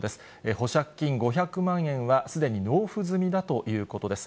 保釈金５００万円は、すでに納付済みだということです。